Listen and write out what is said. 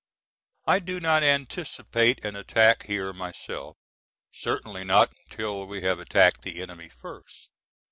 I do not anticipate an attack here myself, certainly not until we have attacked the enemy first.